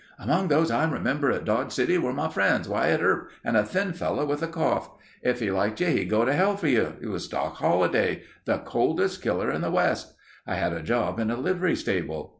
"... Among those I remember at Dodge City were my friends Wyatt Earp and a thin fellow with a cough. If he liked you he'd go to hell for you. He was Doc Holliday—the coldest killer in the West. I had a job in a livery stable.